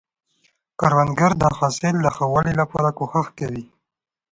کروندګر د حاصل د ښه والي لپاره کوښښ کوي